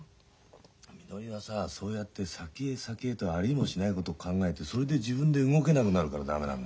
みのりはさそうやって先へ先へとありもしないことを考えてそれで自分で動けなくなるから駄目なんだよ。